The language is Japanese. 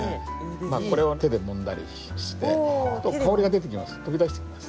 これを手でもんだりしてそうすると香りが出てきます